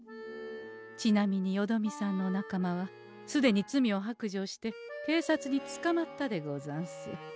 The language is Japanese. ちなみによどみさんのお仲間はすでに罪を白状して警察につかまったでござんす。